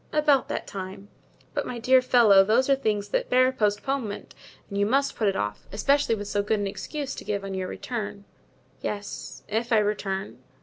"About that time." "But, my dear fellow, those are things that bear postponement and you must put it off, especially with so good an excuse to give on your return——" "Yes, if I return."